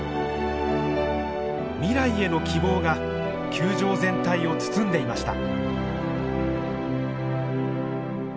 未来への希望が球場全体を包んでいました。